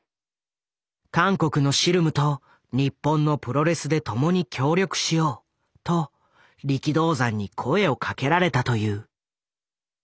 韓国のシルムと日本のプロレスで共に協力しようと力道山に声をかけられたという。